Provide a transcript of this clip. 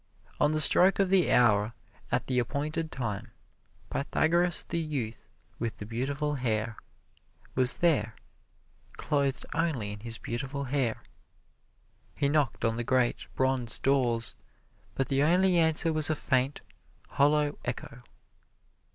On the stroke of the hour, at the appointed time, Pythagoras, the youth with the beautiful hair, was there, clothed only in his beautiful hair. He knocked on the great, bronze doors, but the only answer was a faint, hollow echo.